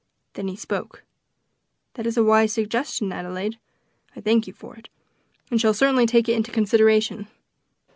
Then he spoke: "That is a wise suggestion, Adelaide. I thank you for it, and shall certainly take it into consideration.